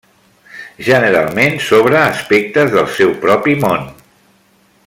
Generalment, sobre aspectes del seu propi món.